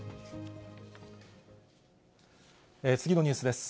次のニュースです。